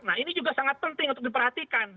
nah ini juga sangat penting untuk diperhatikan